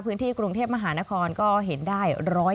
พื้นที่กรุงเทพมหานครก็เห็นได้